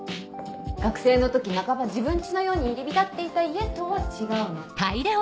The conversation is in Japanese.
学生の時半ば自分ん家のように入り浸っていた家とは違うの。